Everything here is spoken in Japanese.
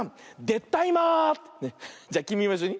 じゃきみもいっしょに。